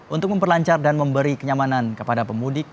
untuk memperlancar dan memberi kenyamanan kepada pemudik